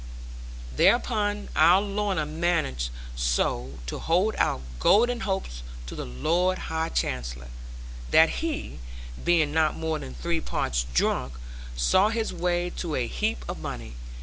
Thereupon, our Lorna managed so to hold out golden hopes to the Lord High Chancellor, that he, being not more than three parts drunk, saw his way to a heap of money.